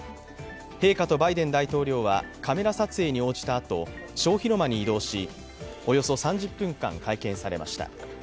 陛下とバイデン大統領はカメラ撮影に応じたあと、小広間に移動しおよそ３０分間、会見されました。